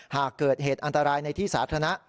หากเกิดเหตุอันตรายในที่สาธารณะ